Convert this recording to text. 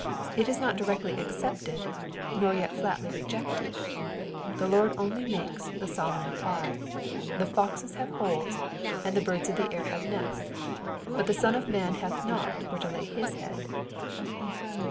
It is not directly accepted, nor yet flatly re jected. Our Lord only makes the solemn reply, " the foxes have holes, and the birds of the air have nests ; but the Son of man hath not where to lay his head.'